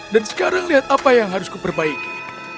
dan sekarang lihat apa yang harus kuperbaiki